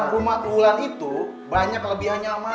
rumah wulan itu banyak kelebihannya